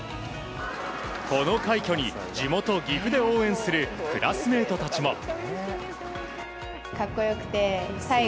この快挙に、地元・岐阜で応援するクラスメートたちも。